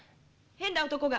変な男が。